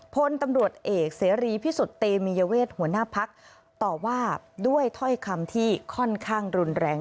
พลตำรวจเอกเสรีพิสุทธิ์เตมียเวทหัวหน้าพักต่อว่าด้วยถ้อยคำที่ค่อนข้างรุนแรง